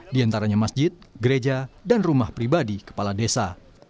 di antaranya masjid gereja dan rumah pribadi kepala desa